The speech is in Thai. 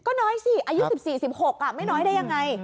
ก็น้อยสิอายุ๑๔๑๖ไม่น้อยได้ยังไง